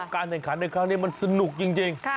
การแข่งขันในครั้งนี้มันสนุกจริง